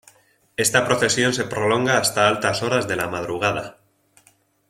Esta procesión se prolonga hasta altas horas de la madrugada.